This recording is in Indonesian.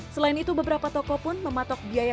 selain itu beberapa toko pun mematok biaya